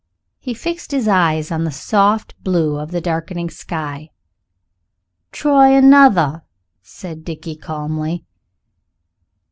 He fixed his eyes on the soft blue of the darkening sky. "Try another," said Dickie calmly.